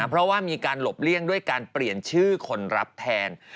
เพราะว่ามีการหลบเลี่ยงด้วยการเปลี่ยนชื่อคนรับแทน